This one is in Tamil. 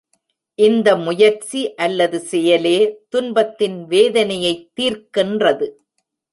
இந்த முயற்சி அல்லது செயலே துன்பத்தின் வேதனையைத் தீர்க்கின்றது.